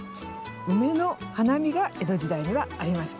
ウメの花見が江戸時代にはありました。